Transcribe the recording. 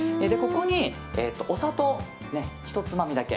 ここにお砂糖、ひとつまみだけ。